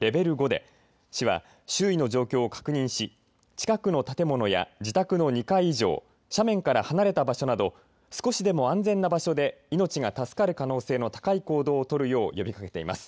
５で市は周囲の状況を確認し近くの建物や自宅の２階以上、斜面から離れた場所など少しでも安全な場所で命が助かる可能性の高い行動を取るよう呼びかけています。